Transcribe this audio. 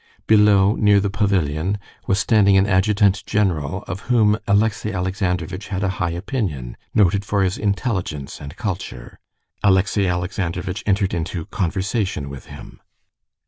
Below, near the pavilion, was standing an adjutant general of whom Alexey Alexandrovitch had a high opinion, noted for his intelligence and culture. Alexey Alexandrovitch entered into conversation with him.